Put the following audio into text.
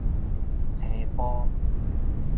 青埔